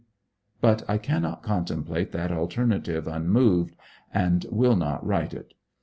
But I cannot contemplate that alternative unmoved, and will not write it.